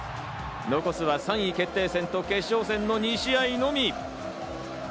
残すは３位決定戦と決勝戦の２試合のみ。